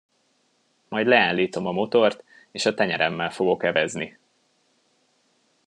Majd leállítom a motort, és a tenyeremmel fogok evezni!